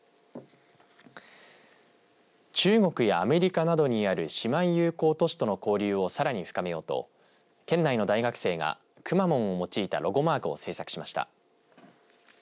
中国やアメリカなどにある姉妹友好都市との交流をさらに深めようと県内の大学生がくまモンを用いたロゴマークを制作しました。